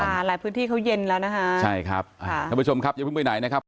หลายพื้นที่เขาเย็นแล้วนะคะใช่ครับอ่าท่านผู้ชมครับอย่าเพิ่งไปไหนนะครับ